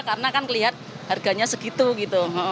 karena kan lihat harganya segitu gitu